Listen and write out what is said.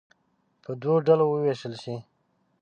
په دوو ډلو ووېشل شي.